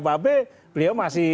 bapak b beliau masih